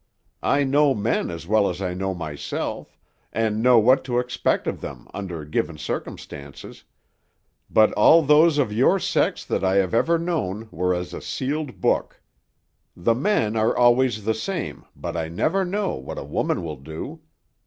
I know men as well as I know myself, and know what to expect of them under given circumstances; but all those of your sex I have ever known were as a sealed book. The men are always the same, but I never know what a woman will do.